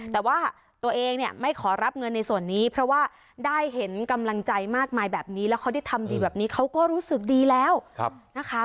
แต่ว่าตัวเองเนี่ยไม่ขอรับเงินในส่วนนี้เพราะว่าได้เห็นกำลังใจมากมายแบบนี้แล้วเขาได้ทำดีแบบนี้เขาก็รู้สึกดีแล้วนะคะ